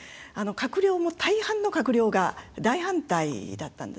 閣僚も大半の閣僚が大反対だったんですね。